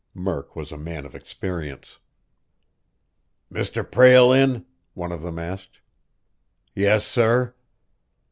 Murk was a man of experience. "Mr. Prale in?" one of them asked. "Yes, sir."